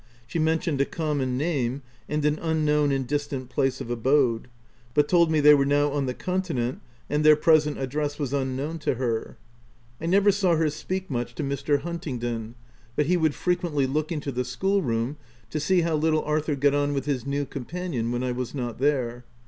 She mentioned a common name, and an unknown and distant place of abode, but told me they were now on the Con tinent, and their present address was unknown to her. I never saw her speak much to Mr. OF WILDFELL HALL. 103 Huntingdon ; but he would frequently look into the school room to see how little Arthur got on with his new companion, when I was not there.